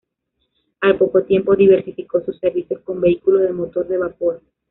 Al poco tiempo diversificó sus servicios con vehículos de motor de vapor.